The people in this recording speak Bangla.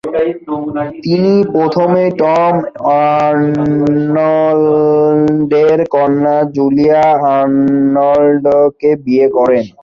তিনি প্রথমে টম আর্নল্ডের কন্যা জুলিয়া আর্নল্ডকে বিয়ে করেন।